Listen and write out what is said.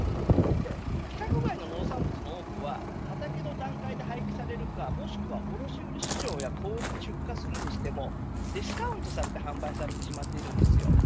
規格外の農産物の多くは畑の段階で廃棄されるかもしくは卸売り市場や小売りに出荷するにしてもディスカウントされて販売されてしまっているんです。